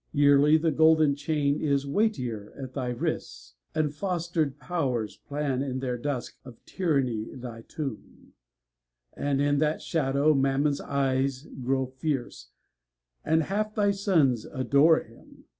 Yearly the golden chain Is weightier at thy wrists, and fostered Pow'rs^ Plan in their dusk of tyranny thy tomb; And in that shadow Mammon's eyes grow fierce, 60 OF AMERICA And half thy sons adore him.